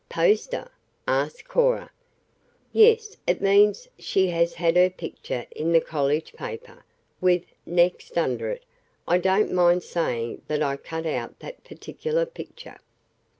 "Poster?" asked Cora. "Yes; it means she has had her picture in the college paper, with 'Next' under it. I don't mind saying that I cut out that particular picture."